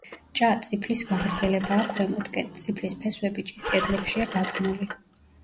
ჭა წიფლის გაგრძელებაა ქვემოთკენ, წიფლის ფესვები ჭის კედლებშია გადგმული.